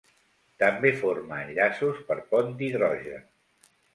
També forma enllaços per pont d'hidrogen.